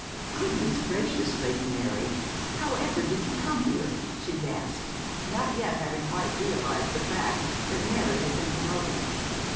'Goodness gracious, Lady Mary! how ever did you come here?' she gasped, not yet having quite realised the fact that Mary had been promoted.